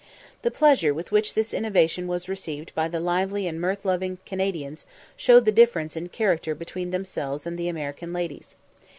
The pleasure with which this innovation was received by the lively and mirth loving Canadians showed the difference in character between themselves and the American ladies.